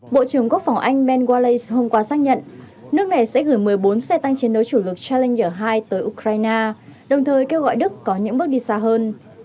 bộ trưởng quốc phòng anh benwales hôm qua xác nhận nước này sẽ gửi một mươi bốn xe tăng chiến đấu chủ lực charlenger hai tới ukraine đồng thời kêu gọi đức có những bước đi xa hơn